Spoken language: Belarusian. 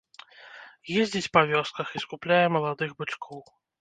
Ездзіць па вёсках і скупляе маладых бычкоў.